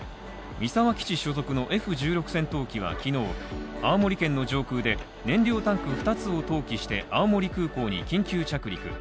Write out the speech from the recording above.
三沢基地所属のＦ−１６戦闘機は昨日、青森県の上空で、燃料タンク二つを投棄して、青森空港に緊急着陸。